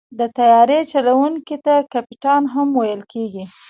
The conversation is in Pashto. د طیارې چلوونکي ته کپتان هم ویل کېږي.